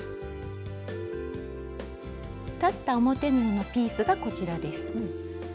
裁った表布のピースがこちらです。